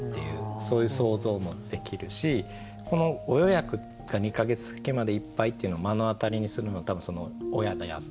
そういう想像もできるしこの「『ご予約』が二ヶ月先までいっぱい」っていうのを目の当たりにするの多分親であったり保護者であったり。